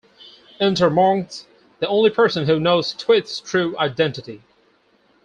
Enter Monks - the only person who knows Twist's true identity.